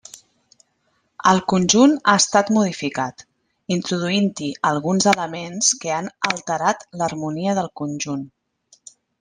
El conjunt ha estat modificat, introduint-hi alguns elements que han alterat l'harmonia del conjunt.